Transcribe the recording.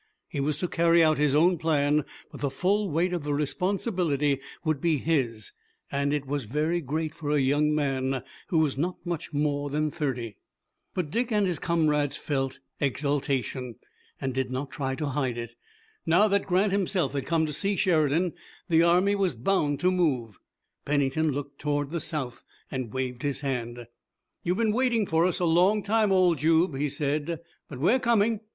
He was to carry out his own plan, but the full weight of the responsibility would be his, and it was very great for a young man who was not much more than thirty. But Dick and his comrades felt exultation, and did not try to hide it. Now that Grant himself had come to see Sheridan the army was bound to move. Pennington looked toward the South and waved his hand. "You've been waiting for us a long time, old Jube," he said, "but we're coming.